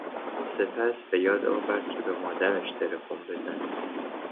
سپس به یاد آورد که به مادرش تلفن بزند.